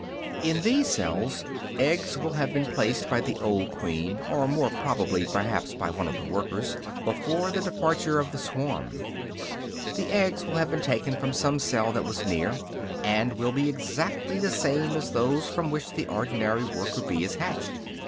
In these cells eggs will have been placed by the old queen, or more probably perhaps by one of the workers, before the departure of the swarm; the eggs will have been taken from some cell that was near, and will be exactly the same as those from which the ordinary worker bee is hatched.